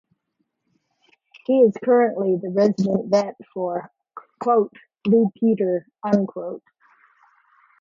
He is currently the resident vet for "Blue Peter".